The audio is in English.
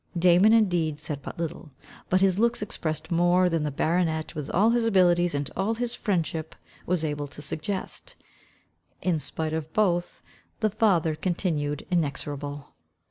Damon indeed said but little, but his looks expressed more, than the baronet, with all his abilities, and all his friendship, was able to suggest. In spite of both, the father continued inexorable.